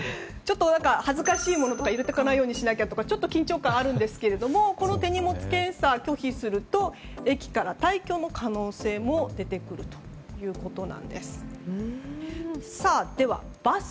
恥ずかしいものとか入れておかないようにしなきゃとか緊張感はあるんですがこの手荷物検査を拒否すると駅から退去の可能性も出てくるということなんです。